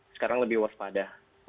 sekarang lebih worth pada